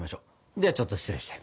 ではちょっと失礼して。